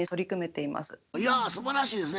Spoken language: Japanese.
いやすばらしいですね。